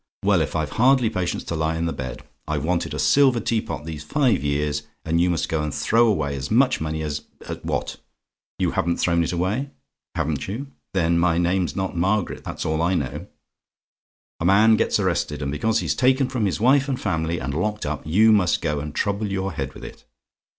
Well, if I've hardly patience to lie in the bed! I've wanted a silver teapot these five years, and you must go and throw away as much money as what? "YOU HAVEN'T THROWN IT AWAY? "Haven't you? Then my name's not Margaret, that's all I know! "A man gets arrested, and because he's taken from his wife and family, and locked up, you must go and trouble your head with it!